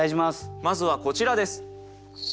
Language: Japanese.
まずはこちらです。